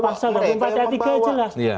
pasang rp empat tiga jelas iya